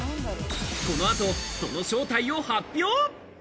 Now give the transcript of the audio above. この後、その正体を発表！